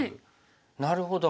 なるほど。